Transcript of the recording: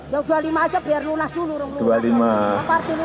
ya dua puluh lima aja biar lunas dulu